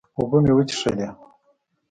اوبۀ مې وڅښلې